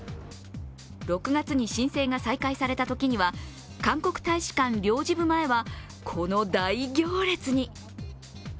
６月に申請が再開されたときには韓国大使館領事部前はこの大行列に。